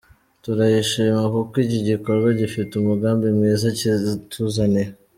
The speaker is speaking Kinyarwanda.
Turayishima kuko iki gikorwa gifite umugambi mwiza kituzaniye.